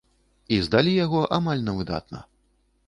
І здалі яго амаль на выдатна.